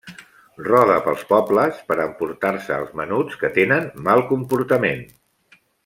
Roda pels pobles per a emportar-se als menuts que tenen mal comportament.